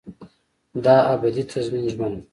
دا ابدي تضمین ژمنه ده.